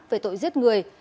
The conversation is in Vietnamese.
về tội giết người